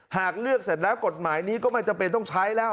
หากเลือกเสร็จแล้วกฎหมายนี้ก็ไม่จำเป็นต้องใช้แล้ว